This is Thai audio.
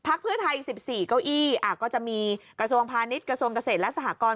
เพื่อไทย๑๔เก้าอี้ก็จะมีกระทรวงพาณิชย์กระทรวงเกษตรและสหกร